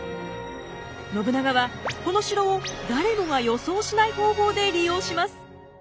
信長はこの城を誰もが予想しない方法で利用します。